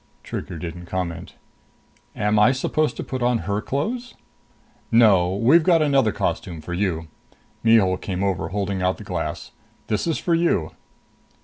Trigger didn't comment. "Am I supposed to put on her clothes?" "No. We've got another costume for you." Mihul came over, holding out the glass. "This is for you."